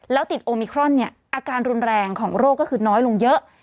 แล้วติดโอมิครอนเนี่ยอาการรุนแรงของโรคก็คือน้อยลงเยอะ